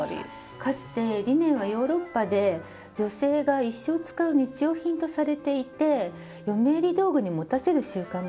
かつてリネンはヨーロッパで女性が一生使う日用品とされていて嫁入り道具に持たせる習慣があったんですね。